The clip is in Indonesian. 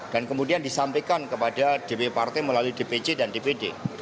dan kemudian disampaikan kepada dp partai melalui dpc dan dpd